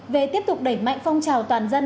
về tiếp tục đẩy mạnh phong trào toàn dân